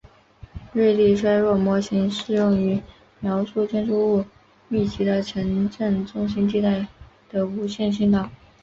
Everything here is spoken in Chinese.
瑞利衰落模型适用于描述建筑物密集的城镇中心地带的无线信道。